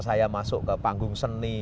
saya masuk ke panggung seni